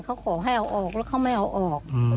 เค้าขอให้เอาออกแต่เค้าไม่เอาออก